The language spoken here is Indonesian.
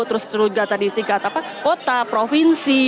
terus tingkat kota provinsi